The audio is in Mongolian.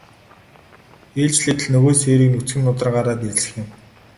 Ээлжлээд л нөгөө сээрийг нүцгэн нударгаараа дэлсэх юм.